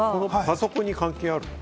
パソコンに関係あるの？